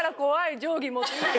定規持って。